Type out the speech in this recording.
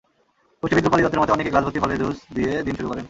পুষ্টিবিদ রূপালি দত্তের মতে, অনেকে গ্লাসভর্তি ফলের জুস দিয়ে দিন শুরু করেন।